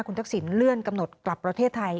คุณทักษิณเลื่อนกำหนดกลับประเทศไทย